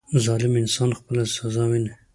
• ظالم انسان خپله سزا ویني.